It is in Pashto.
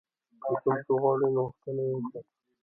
که کوم څه غواړئ نو غوښتنه یې وکړئ.